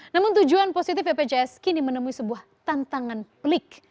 namun tujuan positif bpjs kini menemui sebuah tantangan pelik